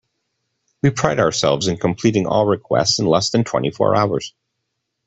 We pride ourselves in completing all requests in less than twenty four hours.